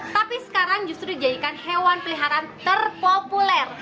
tapi sekarang justru dijadikan hewan peliharaan terpopuler